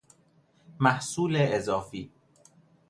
محصول اضافی